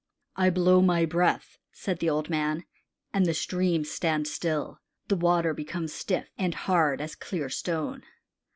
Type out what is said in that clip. "I blow my breath," said the old man, "and the streams stand still. The water becomes stiff and hard as clear stone."